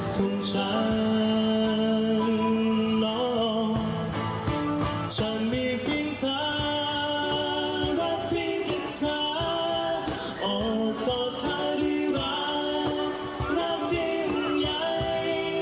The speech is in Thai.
ของฉันเนาะจะมีเพียงเธอและเพียงกับเธอออกกอดเธอด้วยรักนับที่มันใหญ่